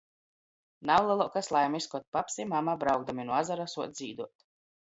Nav leluokys laimis, kod paps i mama, braukdami nu azara, suoc dzīduot.